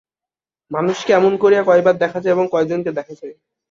মানুষকে এমন করিয়া কয়বার দেখা যায় এবং কয়জনকে দেখা যায়!